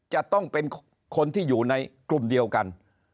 จะต้องเป็นคนที่อยู่ในกลุ่มเดียวกัน